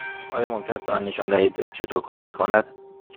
آیا ممکن است به من نشان دهید چطور کار می کند؟